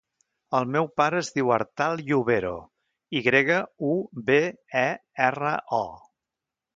El meu pare es diu Artal Yubero: i grega, u, be, e, erra, o.